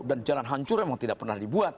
dan jalan hancur memang tidak pernah dibuat